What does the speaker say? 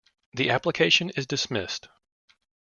The application is dismissed.